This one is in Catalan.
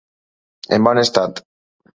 En bon estat.